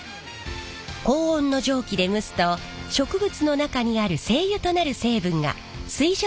高温の蒸気で蒸すと植物の中にある精油となる成分が水蒸気と共に抽出されます。